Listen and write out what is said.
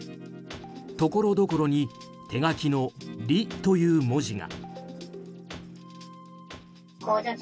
ところどころに手書きの「リ」という文字が。